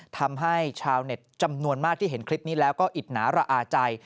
ทำให้ชาวเน็ตจำนวนมากที่เห็นคลิปนี้แล้วก็อิดหนาระอาใจ